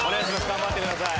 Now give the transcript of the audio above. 頑張ってください。